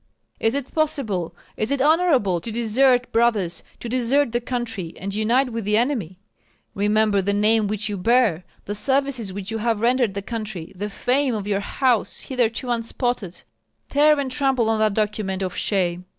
Is it possible, is it honorable, to desert brothers, to desert the country, and unite with the enemy? Remember the name which you bear, the services which you have rendered the country, the fame of your house, hitherto unspotted; tear and trample on that document of shame.